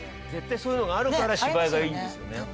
絶対そういうのがあるから芝居がいいんですよね。